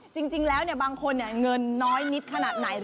จริงแล้วบางคนเงินน้อยนิดขนาดไหน